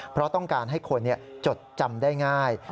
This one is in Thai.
เพราะต้องการให้คนจดจำได้ง่าย